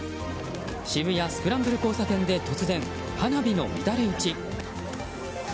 渋谷スクランブル交差点で突然、花火の乱れ打ち。